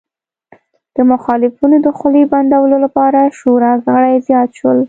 د مخالفینو د خولې بندولو لپاره شورا غړي زیات شول